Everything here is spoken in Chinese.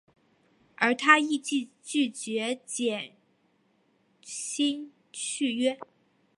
而他亦拒绝减薪续约。